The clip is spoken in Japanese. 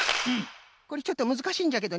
これちょっとむずかしいんじゃけどねえ